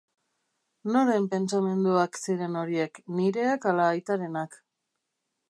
Noren pentsamenduak ziren horiek, nireak ala aitarenak?